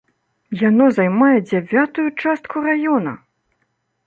Яно займае дзявятую частку раёна!